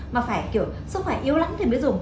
mà phải kiểu sức khỏe yếu lắm thì mới dùng